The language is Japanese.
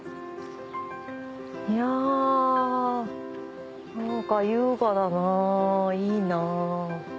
いや何か優雅だないいな。